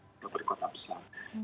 jadi yang perlu kita lihat